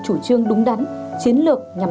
chủ trương đúng đắn chiến lược nhằm